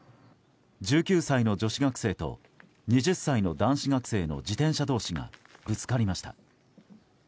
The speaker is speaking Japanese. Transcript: １９歳の女子学生と２０歳の男子学生の自転車同士がぶつかりました。